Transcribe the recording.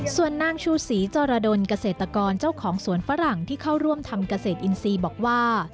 ส่วนนางชูศรีจรดลเกษตรกรเจ้าของสวนฝรั่งที่เข้าร่วมทำเกษตรอินทรีย์บอกว่า